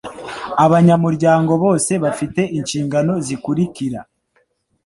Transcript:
abanyamuryango bose bafite inshingano zikurikira